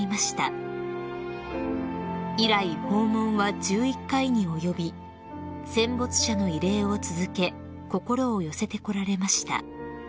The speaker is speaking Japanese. ［以来訪問は１１回に及び戦没者の慰霊を続け心を寄せてこられました］